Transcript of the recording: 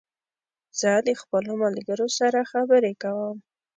زه د خپلو ملګرو سره خبري کوم